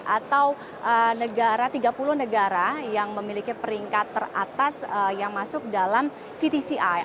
atau negara tiga puluh negara yang memiliki peringkat teratas yang masuk dalam ttci